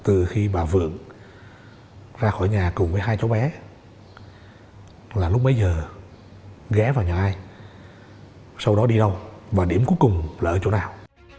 từ khi bà vượng ra khỏi nhà cùng với hai cháu bé là lúc bấy giờ ghé vào nhà ai sau đó đi đâu và điểm cuối cùng là ở chỗ nào